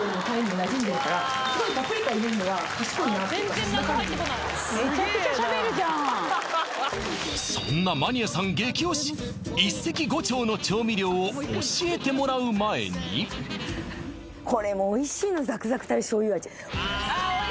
すげえなそんなマニアさん激推し一石五鳥の調味料を教えてもらう前にこれもおいしいのざくざくたれ醤油味